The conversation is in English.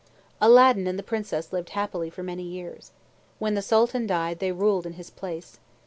Aladdin and the Princess lived happily for many years. When the Sultan died, they ruled in his place.